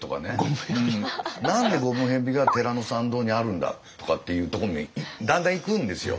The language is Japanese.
何でゴムヘビが寺の参道にあるんだとかっていうところにだんだんいくんですよ。